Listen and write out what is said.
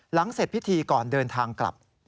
เสร็จพิธีก่อนเดินทางกลับ